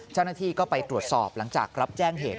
เจ้าหน้าที่ก็ไปตรวจสอบหลังจากรับแจ้งเหตุ